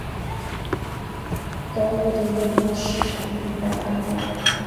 该物种的模式产地在汤加。